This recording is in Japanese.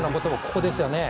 ここですよね。